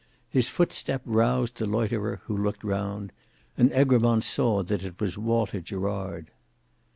His footstep roused the loiterer, who looked round; and Egremont saw that it was Walter Gerard.